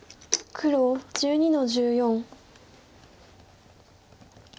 黒１２の十四。